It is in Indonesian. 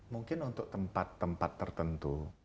mungkin untuk tempat tempat tertentu